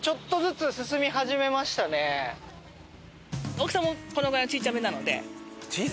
大きさもこのぐらいちっちゃめなので。